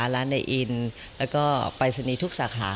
ร้านใดอินล์และก็ปริสินีทุกสาขา